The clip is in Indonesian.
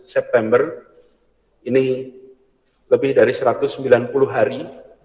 september ini lebih dari satu ratus sembilan puluh hari